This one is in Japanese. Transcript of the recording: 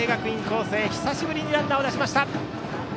光星久しぶりにランナーを出しました。